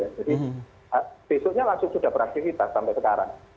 jadi besoknya langsung sudah beraktivitas sampai sekarang